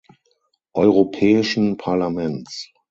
Europäischen Parlaments.